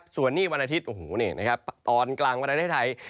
ส่วนนี้วันอาทิตย์โอ้โหตอนกลางประเทศไทย